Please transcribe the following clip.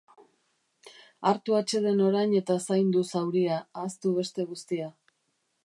Hartu atseden orain eta zaindu zauria, ahaztu beste guztia.